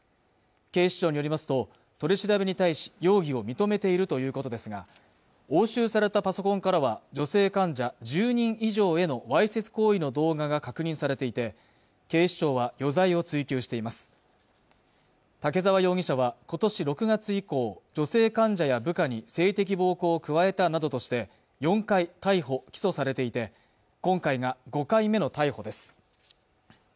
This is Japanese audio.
警視庁によりますと取り調べに対し容疑を認めているということですが押収されたパソコンからは女性患者１０人以上へのわいせつ行為の動画が確認されていて警視庁は余罪を追及しています竹沢容疑者はことし６月以降女性患者や部下に性的暴行を加えたなどとして４回逮捕起訴されていて今回が５回目の逮捕です